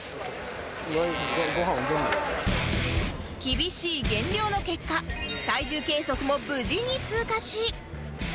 厳しい減量の結果体重計測も無事に通過し